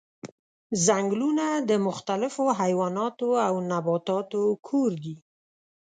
ځنګلونه د مختلفو حیواناتو او نباتاتو کور دي.